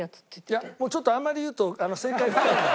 いやちょっとあんまり言うと正解。